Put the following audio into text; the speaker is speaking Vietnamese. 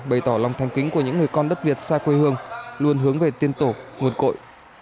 bày tỏ lòng thành kính của những người con đất việt xa quê hương luôn hướng về tiên tổ nguồn cội